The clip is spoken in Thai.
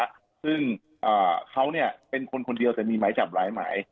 อ่าซึ่งอ่าเขาเนี่ยเป็นคนคนเดียวแต่มีหมายจับหลายหมาย